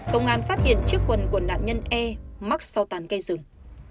công an phát hiện chiếc quần của nạn nhân e mắc so tàn cây rừng